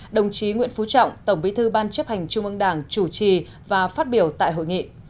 đồng chí nguyễn phú trọng tổng bí thư ban chấp hành trung ương đảng chủ trì và phát biểu tại hội nghị